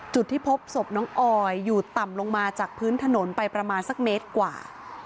จุดที่พบศพน้องออยอยู่ต่ำลงมาจากพื้นถนนไปประมาณสักเมตรกว่า